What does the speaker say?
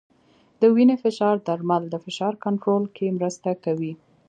د وینې فشار درمل د فشار کنټرول کې مرسته کوي.